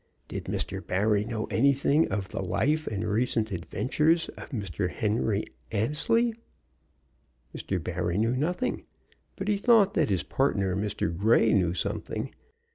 Did Mr. Barry know anything of the life and recent adventures of Mr. Henry Annesley? Mr. Barry knew nothing; but he thought that his partner, Mr. Grey, knew something.